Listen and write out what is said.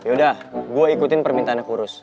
yaudah gue ikutin permintaan kurus